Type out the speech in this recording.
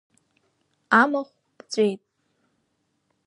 Амахә ԥҵәеит…